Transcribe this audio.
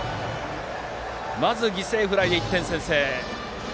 まず犠牲フライで１点先制。